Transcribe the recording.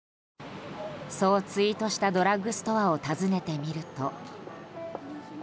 そうツイートしたドラッグストアを訪ねてみると。